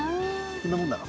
こんなもんだろ。